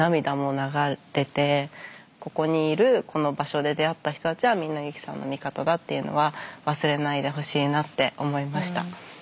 ここにいるこの場所で出会った人たちはみんなユキさんの味方だっていうのは忘れないでほしいなって思いました。